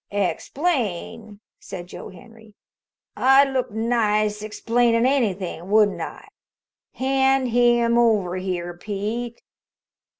"Explain?" said Joe Henry. "I'd look nice explainin' anything, wouldn't I? Hand him over here, Pete."